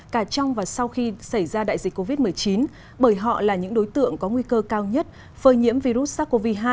cả trong và sau khi xảy ra đại dịch covid một mươi chín bởi họ là những đối tượng có nguy cơ cao nhất phơi nhiễm virus sars cov hai